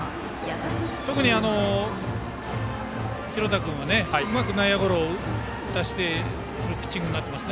特に廣田君はうまく内野ゴロを打たせているピッチングになっています。